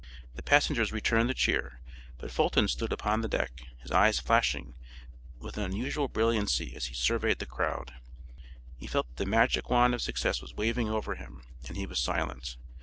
The passengers returned the cheer, but Fulton stood upon the deck, his eyes flashing with an unusual brilliancy as he surveyed the crowd. He felt that the magic wand of success was waving over him and he was silent.